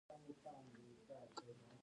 الله یو دی.